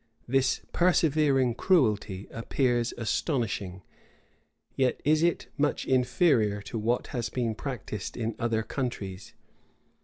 This persevering cruelty appears astonishing; yet is it much inferior to what has been practised in other countries.